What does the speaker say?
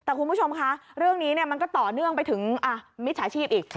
แต่คุณผู้ชมคะเรื่องนี้มันก็ต่อเนื่องไปถึงมิจฉาชีพอีก